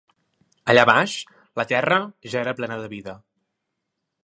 Allà baix, la terra ja era plena de vida.